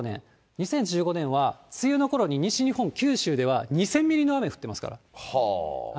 ２０１５年は梅雨のころに西日本、九州では２０００ミリの雨が降ってますから。